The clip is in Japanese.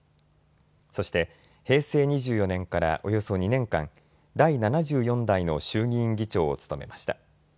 そして平成２４年からおよそ２年間、第７４代の衆議院議長を務めました。